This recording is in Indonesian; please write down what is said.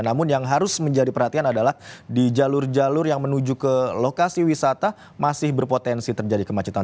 namun yang harus menjadi perhatian adalah di jalur jalur yang menuju ke lokasi wisata masih berpotensi terjadi kemacetan